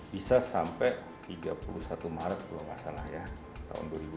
bisa sampai tiga puluh satu maret dua ribu dua puluh satu